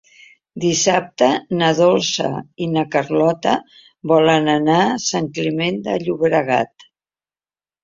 Dissabte na Dolça i na Carlota volen anar a Sant Climent de Llobregat.